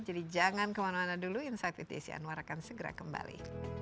jadi jangan kemana mana dulu insight with desi anwar akan segera kembali